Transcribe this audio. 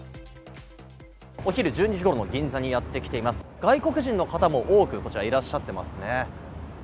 お昼１２時頃の銀座にやってきています、外国人の方も多くこちらにいらっしゃっていますね。